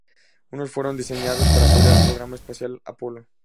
Unos fueron diseñados para apoyar al programa espacial Apollo.